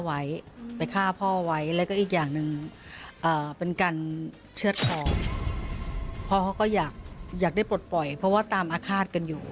ไม่ไปได้ปล่อยเพราะว่าตามอาฆาตกันอยู่